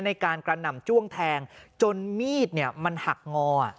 ในการกระหน่ำจ้วงแทงจนมีดมันหักงอ